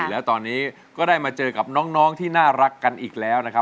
แล้วตอนนี้ก็ได้มาเจอกับน้องที่น่ารักกันอีกแล้วนะครับ